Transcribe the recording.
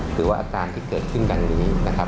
หรือว่าอาการที่เกิดขึ้นดังนี้นะครับ